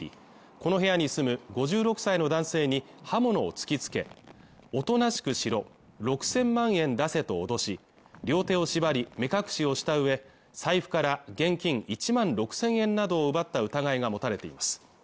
この部屋に住む５６歳の男性に刃物を突きつけおとなしくしろ、６０００万円出せと脅し両手を縛り目隠しをした上財布から現金１万６０００円などを奪った疑いが持たれています